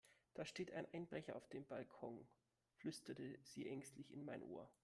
Da steht ein Einbrecher auf dem Balkon, flüsterte sie ängstlich in mein Ohr.